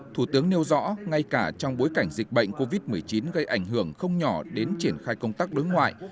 thủ tướng nêu rõ ngay cả trong bối cảnh dịch bệnh covid một mươi chín gây ảnh hưởng không nhỏ đến triển khai công tác đối ngoại